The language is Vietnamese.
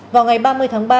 vào ngày ba mươi tháng ba